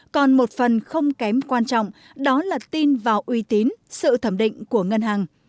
còn một phần không kém quan trọng đó là tin vào uy tín sự thẩm định của ngân hàng